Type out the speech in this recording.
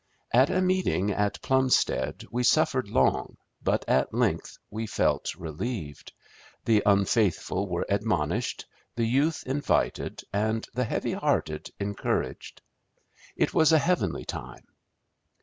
At a meeting at Plumstead we suffered long, but at length we felt relieved. The unfaithful were admonished, the youth invited, and the heavy hearted encouraged. It was a heavenly time.'